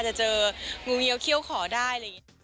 จะเจอโงงเงียวเคี้ยวขอได้